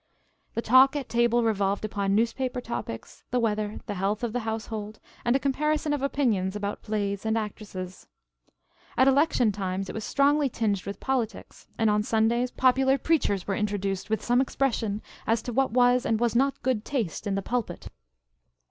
The talk at table revolved upon newspaper topics, the weather, the health of the household, and a comparison of opinions about plays and actresses. At election times it was strongly tinged with politics, and on Sundays, popular preachers were introduced, with some expression as to what was and was not good taste in the pulpit.